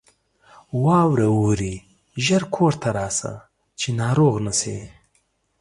واوره اوري ! ژر کورته راسه ، چې ناروغ نه سې.